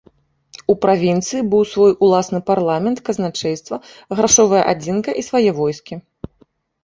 У правінцыі быў свой уласны парламент, казначэйства, грашовая адзінка і свае войскі.